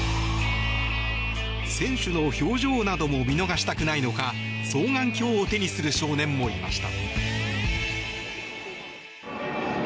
選手の表情なども見逃したくないのか双眼鏡を手にする少年もいました。